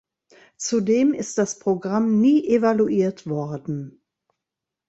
Zudem ist das Programm nie evaluiert worden.